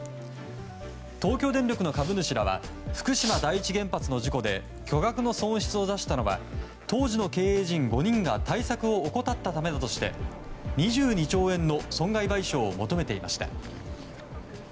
東京電力の株主らは福島第一原発の事故で巨額の損失を出したのは当時の経営陣５人が対策を怠ったためだとして２２兆円の損害賠償を求めていました。